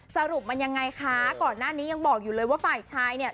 สรุปมันยังไงคะก่อนหน้านี้ยังบอกอยู่เลยว่าฝ่ายชายเนี่ย